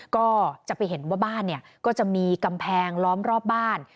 ก็จะไปเห็นว่าบ้านเนี่ยก็จะมีกำแพงล้อมรอบบ้าน